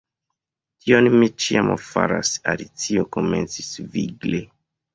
"Tion mi ĉiam faras," Alicio komencis vigle.